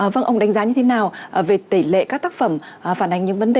vâng ông đánh giá như thế nào về tỷ lệ các tác phẩm phản ánh những vấn đề